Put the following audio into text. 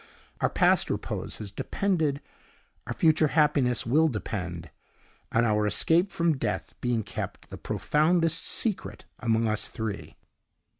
Our past repose has depended, our future happiness will depend, on our escape from death being kept the profoundest secret among us three.